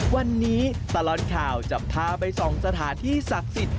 วันนี้ตลอดข่าวจะพาไปส่องสถานที่ศักดิ์สิทธิ